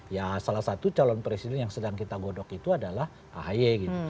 ya salah satu calon presiden yang sedang kita godok itu adalah ahy gitu